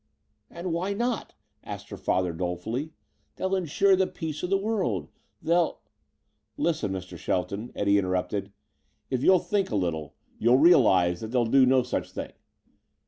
"And why not?" asked her father dolefully. "They'll insure the peace of the world. They'll " "Listen, Mr. Shelton," Eddie interrupted. "If you'll think a little you'll realize that they'll do no such thing.